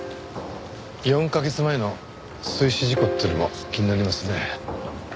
４カ月前の水死事故っていうのも気になりますね。